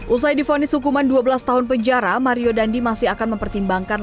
usai difonis hukuman dua belas tahun penjara mario dandi masih akan mempertimbangkan